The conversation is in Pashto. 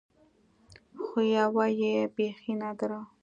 خو يوه يې بيخي نادره وه.